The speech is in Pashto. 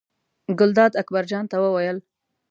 ګلداد اکبر جان ته وویل.